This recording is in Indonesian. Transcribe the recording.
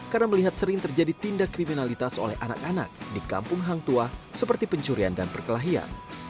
karena melihat sering terjadi tindak kriminalitas oleh anak anak di kampung hang tua seperti pencurian dan perkelahian